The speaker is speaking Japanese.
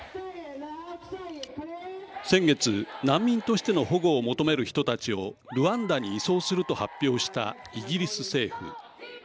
先月、難民としての保護を求める人たちをルワンダに移送すると発表したイギリス政府。